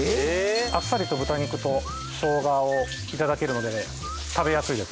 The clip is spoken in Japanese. あっさりと豚肉と生姜を頂けるので食べやすいです。